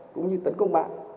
cũng như tấn công mạng